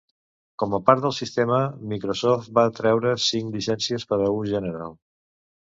Com a part del sistema, Microsoft va treure cinc llicències per a ús general.